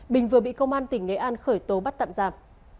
bình vừa bị công an tỉnh nghệ an khởi tố bắt tạm giam